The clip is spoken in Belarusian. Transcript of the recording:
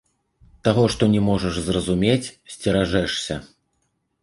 Таго, што не можаш зразумець, сцеражэшся.